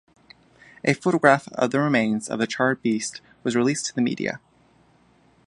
A photograph of the remains of the charred beast was released to the media.